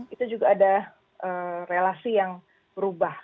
itu juga ada relasi yang berubah